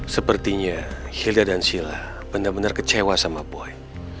sepertinya hilda dan sila benar benar kecewa sama boy